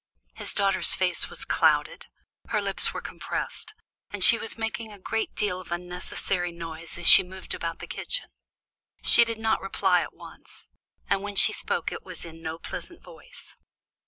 His daughter's face was clouded, her lips were compressed, and she was making a great deal of unnecessary noise as she moved about the kitchen. She did not reply at once, and when she spoke it was in no pleasant voice.